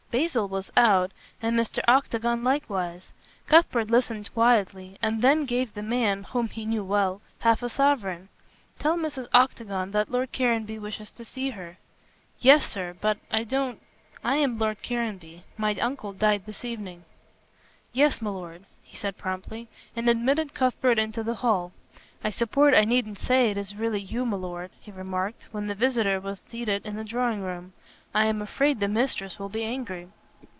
Basil was out, and Mr. Octagon likewise. Cuthbert listened quietly, and then gave the man, whom he knew well, half a sovereign. "Tell Mrs. Octagon that Lord Caranby wishes to see her." "Yes, sir, but I don't " "I am Lord Caranby. My uncle died this evening." The butler opened his eyes. "Yes, m'lord," he said promptly, and admitted Cuthbert into the hall. "I suppose I needn't say it is really you, m'lord," he remarked, when the visitor was seated in the drawing room, "I am afraid the mistress will be angry."